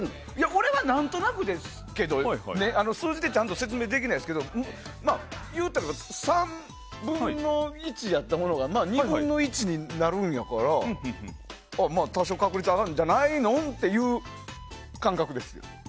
俺は何となくですけど数字で説明できないですけど３分の１やったものが２分の１になるんやから多少、確率上がるんじゃないの？っていう感覚です。